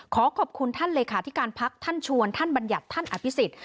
ขอขอบคุณท่านเลขาธิการพักท่านชวนท่านบัญญัติท่านอภิษฎ